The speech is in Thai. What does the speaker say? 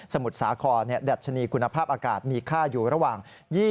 มุทรสาครดัชนีคุณภาพอากาศมีค่าอยู่ระหว่าง